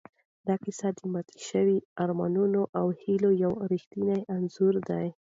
دا کیسه د ماتو شوو ارمانونو او هیلو یو ریښتونی انځور دی.